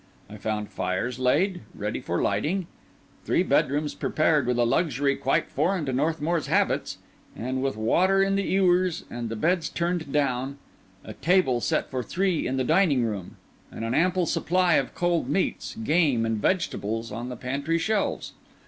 I found fires laid, ready for lighting; three bedrooms prepared with a luxury quite foreign to Northmour's habits, and with water in the ewers and the beds turned down; a table set for three in the dining room; and an ample supply of cold meats, game, and vegetables on the pantry shelves.